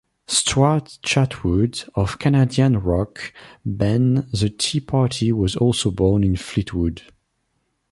Stuart Chatwood of Canadian rock band the Tea Party was also born in Fleetwood.